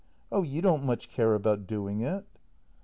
Oh you don't much care about doing it.